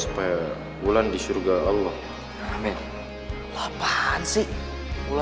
semuanya tolong tunggu di luar dulu ya